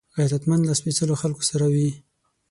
غیرتمند له سپېڅلو خلکو سره وي